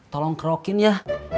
tolong kerokin ya